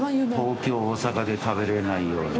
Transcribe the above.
東京・大阪で食べれないような。